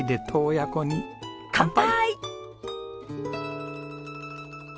乾杯！